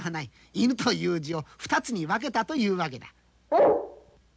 「犬」という字を２つに分けたというわけだ。